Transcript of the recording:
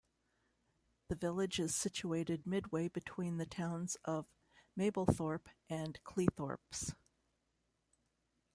The village is situated midway between the towns of Mablethorpe and Cleethorpes.